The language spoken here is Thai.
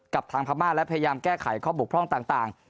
กับทางพรรมาตรและพยายามแก้ไขข้อบบพร่องต่างต่าง